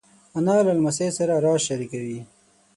انا له لمسۍ سره راز شریکوي